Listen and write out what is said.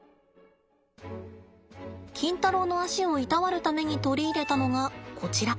キンタロウの足をいたわるために取り入れたのがこちら。